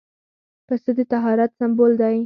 پسه د طهارت سمبول دی.